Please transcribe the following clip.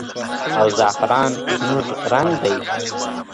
او زعفران زموږ رنګ دی.